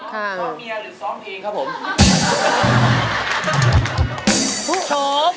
เพราะเมียหรือซ้อมเองครับผม